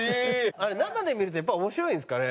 あれ生で見るとやっぱ面白いんですかね？